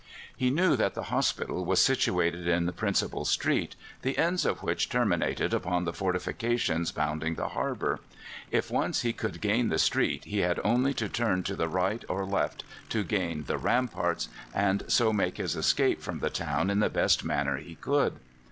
He knew that the hospital was situated in the principal street, the ends of which terminated upon the fortifications bounding the harbour. If once he could gain the street he had only to turn to the right or left to gain the ramparts, and so make his escape from the town in the best manner he could.